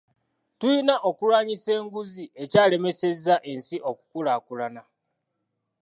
Tulina okulwanyisa enguzi ekyalemesezza ensi okukulaakulana.